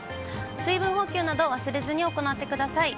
水分補給など忘れずに行ってください。